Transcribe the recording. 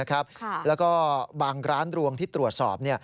แล้วก็บางร้านรวงที่ตรวจสอบ